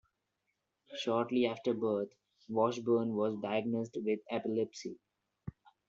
Shortly after birth, Washburn was diagnosed with epilepsy.